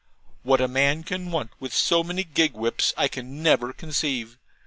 What a man can want with so many gig whips I can never conceive.